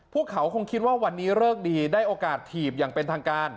พวกเขาคงคิดว่าวันนี้เลิกดีได้โอกาสถีบอย่างเป็นทางการ